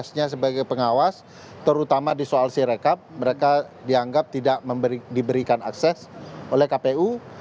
dan di sini saya sebagai pengawas terutama di soal sirekap mereka dianggap tidak diberikan akses oleh kpu